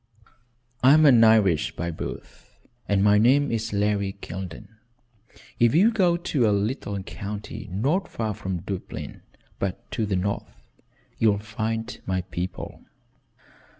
"I am an Irishman by birth, and my name is Larry Kildene. If you'll go to a little county not so far from Dublin, but to the north, you'll find my people."